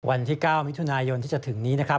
วันที่๙มิถุนายนที่จะถึงนี้นะครับ